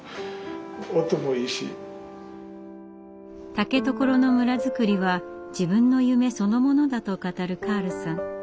竹所の村づくりは自分の夢そのものだと語るカールさん。